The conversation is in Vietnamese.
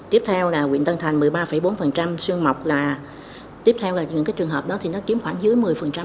tiếp theo là huyện tân thành một mươi ba bốn xuân mộc là tiếp theo là những trường hợp đó thì nó kiếm khoảng dưới một mươi